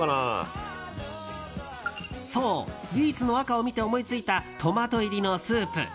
そうビーツの赤を見て思いついたトマト入りのスープ。